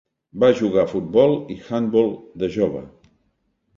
Va jugar a futbol i handbol de jove.